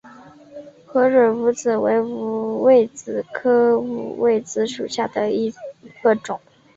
合蕊五味子为五味子科五味子属下的一个种。